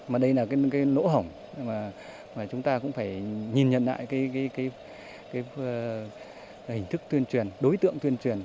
mà đây là cái lỗ hổng mà chúng ta cũng phải nhìn nhận lại cái hình thức tuyên truyền đối tượng tuyên truyền